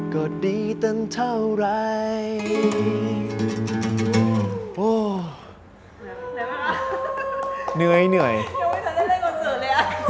ก็ดีตั้งเท่าไหร่